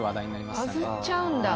バズっちゃうんだ。